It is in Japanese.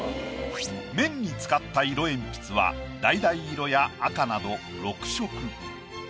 麺に使った色鉛筆はだいだい色や赤など６色。